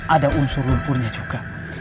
ada unsur lumpurnya juga